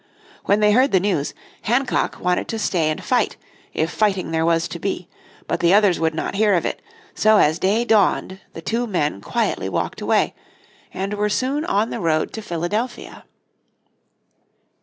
When they heard the news, Hancock wanted to stay and fight, if fighting there was to be. But the others would not hear of it, so as day dawned the two men quietly walked away, and were soon on the road to Philadelphia.